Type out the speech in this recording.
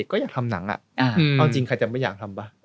ก็อยากทำหนังเอาจริงใครจะไม่อยากทำป่ะ